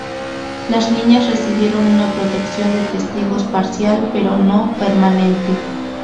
Las niñas recibieron una protección de testigos parcial, pero no permanente.